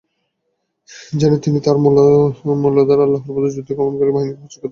যেন তিনি তার মূল্য দ্বারা আল্লাহর পথে যুদ্ধে গমণকারী বাহিনীকে প্রস্তুত করেন।